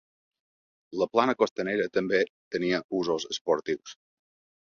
La plana costanera també tenia usos esportius.